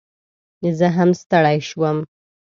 زه هم ستړي شوم